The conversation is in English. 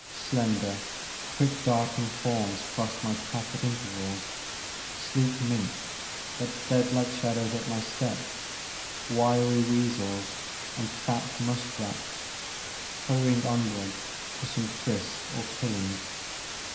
Slender, quick darting forms crossed my path at intervals, sleek mink, that fled like shadows at my step, wiry weasels and fat musk rats, hurrying onward to some tryst or killing.